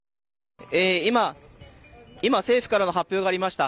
今、政府からの発表がありました。